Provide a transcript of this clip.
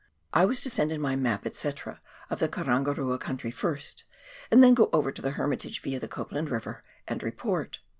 I was to send in my map, &c., of the Karangarua country first, and then go over to the Hermitage via, the Copland E,iver, and report.